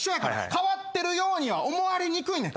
変わってるようには思われにくいねん。